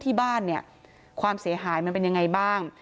ที่บ้านเนี่ยความเสียหายมันเป็นยังไงบ้าง